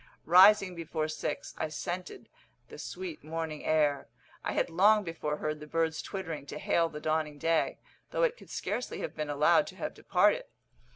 Rising before six, I scented the sweet morning air; I had long before heard the birds twittering to hail the dawning day, though it could scarcely have been allowed to have departed.